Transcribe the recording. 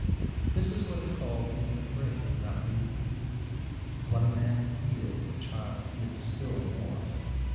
This is what is called being afraid without reason. What a man feels a child feels still more.